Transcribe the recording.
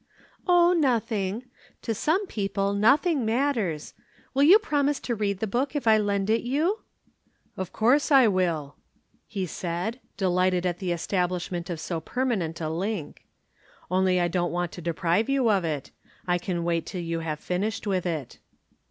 "Oh, nothing. To some people nothing matters. Will you promise to read the book if I lend it you?" "Of course I will," he said, delighted at the establishment of so permanent a link. "Only I don't want to deprive you of it I can wait till you have finished with it."